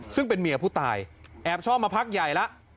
ซึ่งเป็นเมียผู้ตายแอบชอบมาพักใหญ่แล้ว